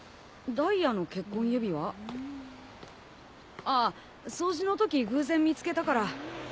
ダイヤの結婚指輪？ああ掃除のとき偶然見つけたから。